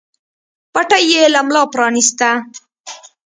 پټۍ يې له ملا پرانېسته.